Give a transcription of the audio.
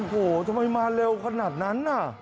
โอ้โหทำไมมาเร็วขนาดนั้นน่ะ